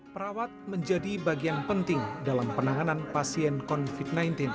perawat menjadi bagian penting dalam penanganan pasien covid sembilan belas